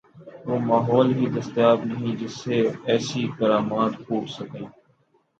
وہ ماحول ہی دستیاب نہیں جس سے ایسی کرامات پھوٹ سکیں۔